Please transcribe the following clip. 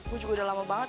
gue juga udah lama banget